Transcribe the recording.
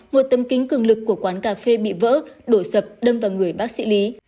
một tấm kính cường lực của quán cà phê bị vỡ đổ sập đâm vào người bác sĩ lý